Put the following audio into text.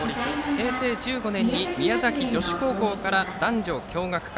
平成１５年に宮崎女子高校から男女共学化。